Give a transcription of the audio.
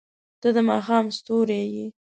• ته د ماښام ستوری یې.